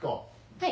はい。